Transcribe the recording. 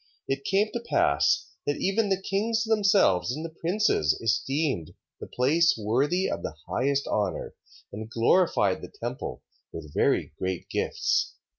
It came to pass that even the kings themselves and the princes esteemed the place worthy of the highest honour, and glorified the temple with very great gifts: 3:3.